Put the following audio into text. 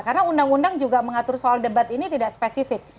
karena undang undang juga mengatur soal debat ini tidak spesifik